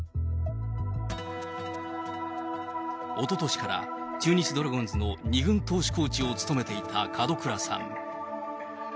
おととしから中日ドラゴンズの２軍投手コーチを務めていた門倉さん。